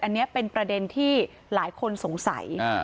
อันนี้เป็นประเด็นที่หลายคนสงสัย